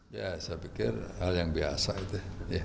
ya saya pikir hal yang biasa itu